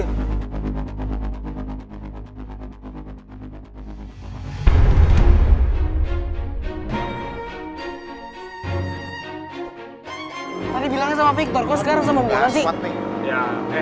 tadi bilangnya sama victor kok suka sama bunga sih